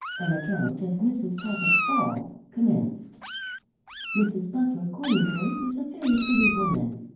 AN ACCOUNT OF MRS. TAPPITT'S BALL COMMENCED. Mrs. Butler Cornbury was a very pretty woman.